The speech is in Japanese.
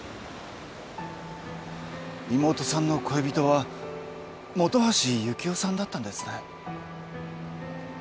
妹さんの恋人は本橋幸雄さんだったんですね？